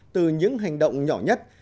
từ những hành động nhỏ nhất